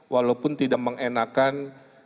walaupun tidak mengenakan